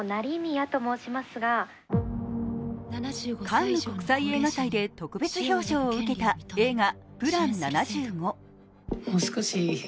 カンヌ国際映画祭で特別表彰を受けた映画「ＰＬＡＮ７５」。